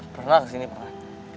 pernah kesini pernah